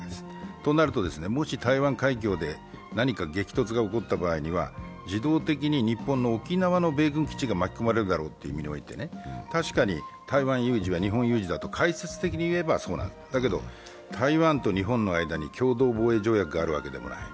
となると、もし台湾海峡で何か激突が起こった場合は、自動的に日本の沖縄の米軍基地が巻き込まれるだろうという意味において確かに台湾有事は日本有事だと解説的に言えばそうなんだけどだけど、台湾と日本の間に共同防衛条約があるわけではない。